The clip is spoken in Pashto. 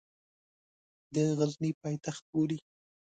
د غزني پایتخت بولي.